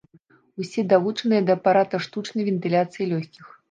Усе далучаныя да апарата штучнай вентыляцыі лёгкіх.